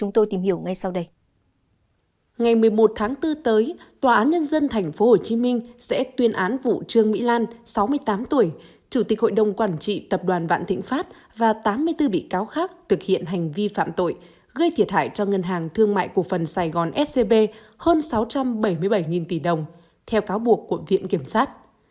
từ tháng bốn tới tòa án nhân dân tp hcm sẽ tuyên án vụ trương mỹ lan sáu mươi tám tuổi chủ tịch hội đồng quản trị tập đoàn vạn thịnh pháp và tám mươi bốn bị cáo khác thực hiện hành vi phạm tội gây thiệt hại cho ngân hàng thương mại cụ phần sài gòn scb hơn sáu trăm bảy mươi bảy tỷ đồng theo cáo buộc của viện kiểm sát